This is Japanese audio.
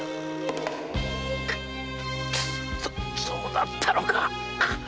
そうだったのか！